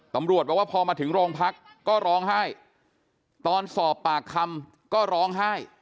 ตำรวจบอกว่าพอมาถึงโรงพักก็ร้องไห้ตอนสอบปากคำก็ร้องไห้